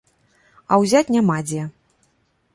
А ўзяць няма дзе.